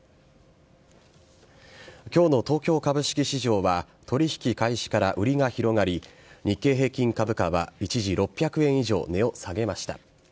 今日の東京株式市場は取引開始から売りが広がり日経平均株価は一時６００円以上値を下げました。